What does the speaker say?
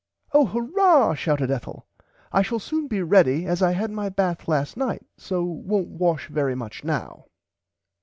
Oh Hurrah shouted Ethel I shall soon be ready as I had my bath last night so wont wash very much now.